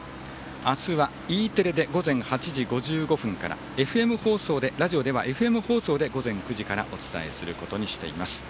明日はＥテレで午前８時５５分からラジオではＦＭ放送で午前９時からお伝えすることにしています。